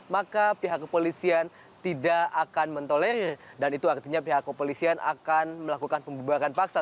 maka pihak kepolisian tidak akan mentolerir dan itu artinya pihak kepolisian akan melakukan pembubaran paksa